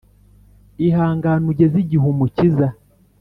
Ihangan’ ugez’ igih’ Umukiza